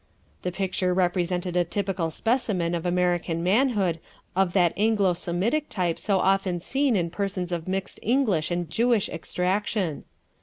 The picture represented a typical specimen of American manhood of that Anglo Semitic type so often seen in persons of mixed English and Jewish extraction.